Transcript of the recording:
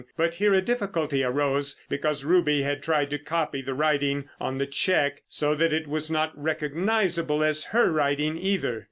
But here a difficulty arose, because Ruby had tried to copy the writing on the cheque, so that it was not recognisable as her writing either.